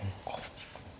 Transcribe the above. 引くのか。